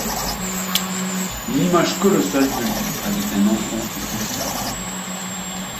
Une image colossale de lui avec enfant est conservée.